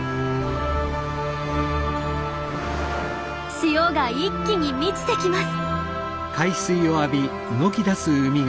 潮が一気に満ちてきます。